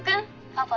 ☎パパ。